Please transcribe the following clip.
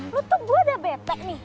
lu tuh gue udah bete nih